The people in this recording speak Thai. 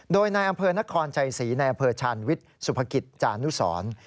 โดยนายอำเภอนครชัยศรีในอำเภอชาญวิทย์สุภกิจจานุสร